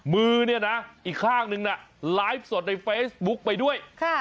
มือเนี่ยนะอีกข้างนึงน่ะไลฟ์สดในเฟซบุ๊กไปด้วย